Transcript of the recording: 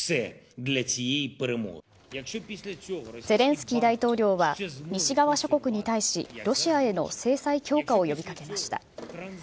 ゼレンスキー大統領は西側諸国に対しロシアへの制裁強化を呼び掛けました。